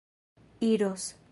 iros